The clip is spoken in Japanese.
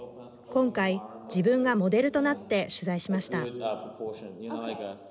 今回、自分がモデルとなって取材しました。